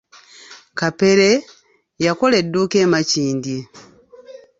Kapere, yakola edduuka e Makindye.